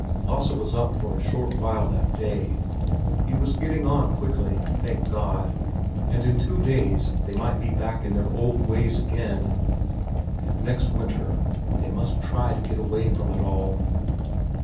Lasse was up for a short while that day. He was getting on quickly, thank God, and in two days they might be back in their old ways again. And next winter they must try to get away from it all!